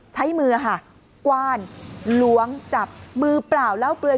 ใช้มือค่ะกว้านล้วงจับมือเปล่าแล้วเปลือย